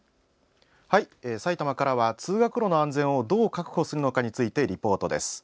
はい、さいたまからは通学路の安全をどう確保するのか？についてのリポートです。